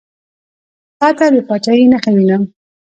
تاته د پاچهي نخښې وینم.